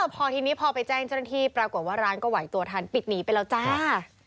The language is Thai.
พอทีนี้พอไปแจ้งเจ้าหน้าที่ปรากฏว่าร้านก็ไหวตัวทันปิดหนีไปแล้วจ้า